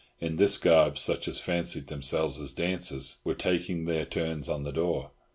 In this garb such as fancied themselves as dancers were taking their turns on the door.